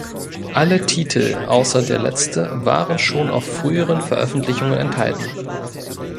Alle Titel, außer der letzte, waren schon auf früheren Veröffentlichungen enthalten.